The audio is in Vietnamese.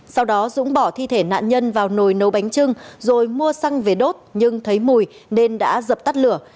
sau đó dũng bỏ thi thể nạn nhân vào nồi nấu bánh trưng rồi mua xăng về đốt nhưng thấy mùi nên đã dập tắt lửa